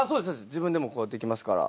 自分でもこうできますから。